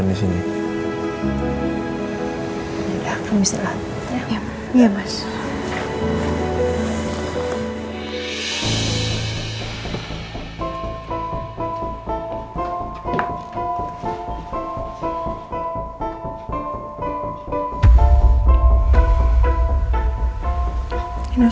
udah sini sayang